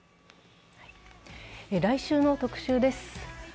来週の特集です。